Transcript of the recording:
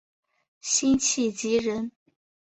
辛弃疾人。